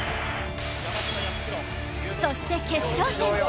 そして決勝戦